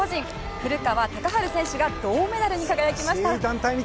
古川高晴選手が銅メダルに輝きました。